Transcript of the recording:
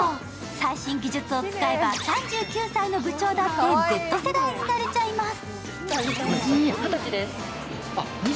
最新技術を使えば３９歳の部長だってＺ世代になれちゃいます。